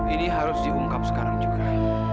ini harus diungkap sekarang juga